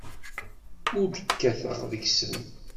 Ur d-kkateɣ deg-sen.